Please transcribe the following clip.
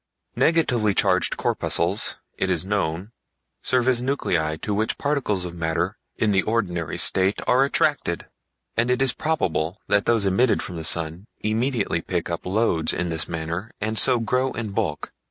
Negatively charged corpuscles, it is known, serve as nuclei to which particles of matter in the ordinary state are attracted, and it is probable that those emitted from the sun immediately pick up loads in this manner and so grow in bulk.